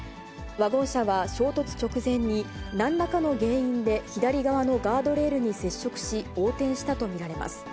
ワゴン車は衝突直前に、なんらかの原因で左側のガードレールに接触し、横転したと見られます。